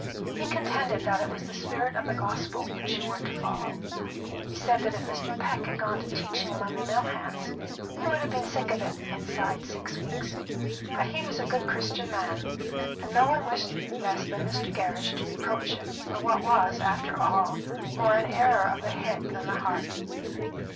He contended that it was the spirit of the gospel which you were to follow. He said that if Mr. Peck had gone to teaching among the mill hands, he would have been sick of it inside of six weeks; but he was a good Christian man, and no one wished less than Mr. Gerrish to reproach him for what was, after all, more an error of the head than the heart.